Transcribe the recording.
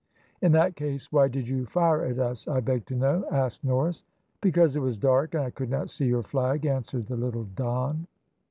"`In that case, why did you fire at us, I beg to know?' asked Norris. "`Because it was dark, and I could not see your flag,' answered the little Don.